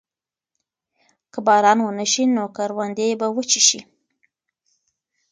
که باران ونه شي نو کروندې به وچې شي.